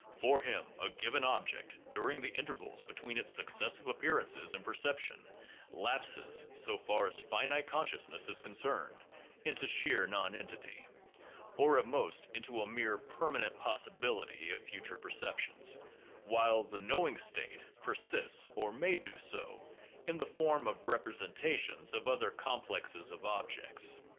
For him, a given object, during the intervals between its successive appearances in perception, lapses (so far as finite consciousness is concerned) into sheer nonentity, or at most into a mere "permanent possibility" of future perceptions, while "the knowing state" per sists (or may do so) in the form of representations of other com plexes of objects.